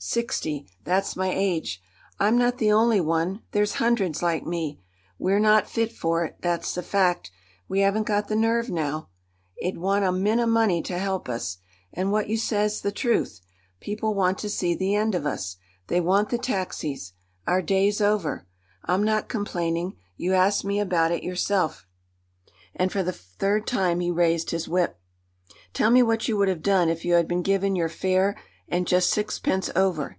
Sixty, that's my age; I'm not the only one—there's hundreds like me. We're not fit for it, that's the fact; we haven't got the nerve now. It'd want a mint of money to help us. And what you say's the truth—people want to see the end of us. They want the taxis—our day's over. I'm not complaining; you asked me about it yourself." And for the third time he raised his whip. "Tell me what you would have done if you had been given your fare and just sixpence over?"